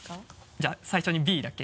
じゃあ最初に「Ｂ」だけ。